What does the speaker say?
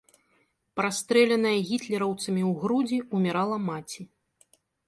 Прастрэленая гітлераўцамі ў грудзі, умірала маці.